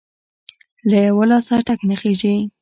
له يوه لاسه ټک نه خیژي!.